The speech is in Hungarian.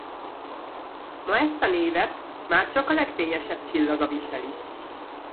Ma ezt a névet már csak a legfényesebb csillaga viseli.